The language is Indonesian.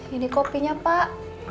ini kopinya pak